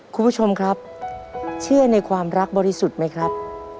คุณผู้ชมครับเชื่อในความรักบริสุทธิ์ไหมครับ